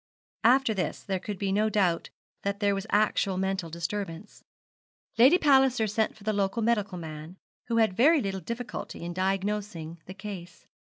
After this there could be no doubt that there was actual mental disturbance. Lady Palliser sent for the local medical man, who had very little difficulty in diagnosing the case.